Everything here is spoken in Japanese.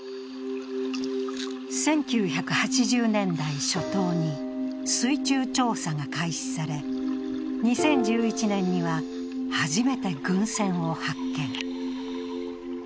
１９８０年代初頭に水中調査が開始され、２０１１年には初めて軍船を発見。